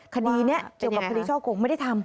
คดีนี้เกี่ยวกับคดีช่อกงไม่ได้ทำ